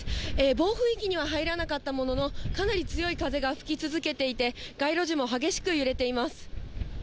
暴風域には入らなかったものの、かなり強い風が吹き続けていて、街路樹も激しく揺れています。